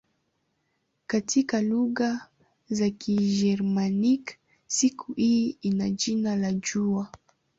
Katika lugha za Kigermanik siku hii ina jina la "jua".